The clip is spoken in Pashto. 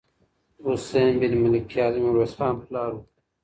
حسين بن ملکيار د ميرويس خان پلار و.